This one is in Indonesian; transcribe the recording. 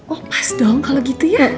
oh pas dong kalau gitu ya